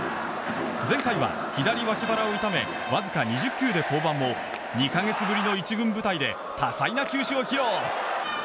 前回は左わき腹を痛めわずか２０球で降板も２か月ぶりの１軍舞台で多彩な球種を披露。